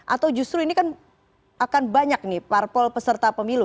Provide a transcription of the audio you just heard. atau justru ini kan akan banyak nih parpol peserta pemilu